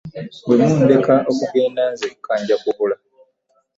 Bwe mundeka okugenda nzekka nja kubula.